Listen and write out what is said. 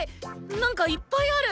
何かいっぱいある！